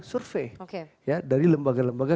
survei dari lembaga lembaga